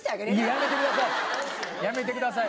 やめてください！